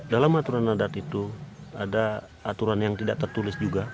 dalam aturan adat itu ada aturan yang tidak tertulis juga